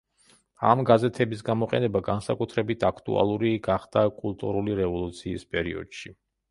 ამ გაზეთების გამოყენება განსაკუთრებით აქტუალური გახდა კულტურული რევოლუციის პერიოდში.